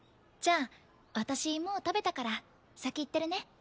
じゃあ私もう食べたから先行ってるね。